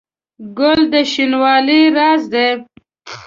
ګل د شینوالي راز دی.